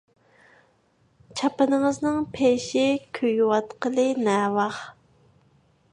چاپىنىڭىزنىڭ پېشى كۆيۈۋاتقىلى نەۋاخ.